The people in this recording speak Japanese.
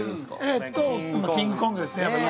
えっとキングコングですね